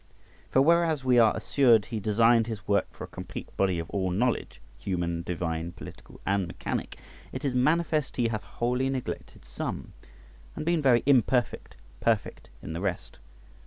For whereas we are assured he designed his work for a complete body of all knowledge, human, divine, political, and mechanic {102a}, it is manifest he hath wholly neglected some, and been very imperfect perfect in the rest.